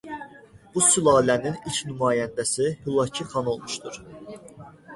Bu sülalənin ilk nümayəndəsi Hülakü xan olmuşdur.